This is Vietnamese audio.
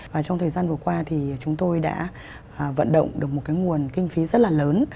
và trong thời gian vừa qua thì chúng tôi đã vận động được một cái nguồn kinh phí rất là lớn